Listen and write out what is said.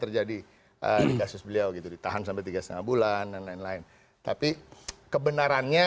terjadi di kasus beliau gitu ditahan sampai tiga lima bulan dan lain lain tapi kebenarannya